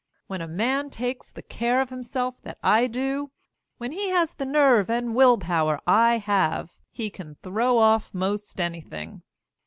When a man takes the care of himself that I do when he has the nerve and will power I have he can throw off 'most anything.